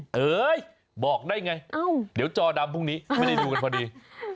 เฮ้ยบอกได้ไงเดี๋ยวจอดำพรุ่งนี้ไม่ได้ดูกันพอดี